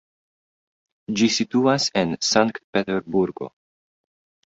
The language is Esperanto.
Ĝi situas en Sankt-Peterburgo.